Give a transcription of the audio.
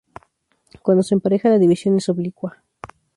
Cuando se empareja, la división es oblicua.